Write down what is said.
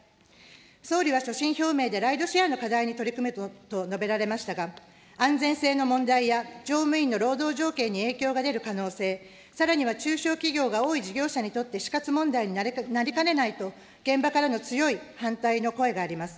総理は所信表明でライドシェアの課題に取り組むと述べられましたが、安全性の問題や乗務員の労働条件に影響が出る可能性、さらには中小企業が多い事業者にとって死活問題になりかねないと、現場からの強い反対の声があります。